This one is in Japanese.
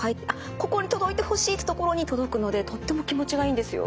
ここに届いてほしいってところに届くのでとっても気持ちがいいんですよ。